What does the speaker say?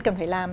cần phải làm